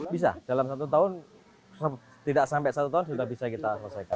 bisa dalam satu tahun tidak sampai satu tahun sudah bisa kita selesaikan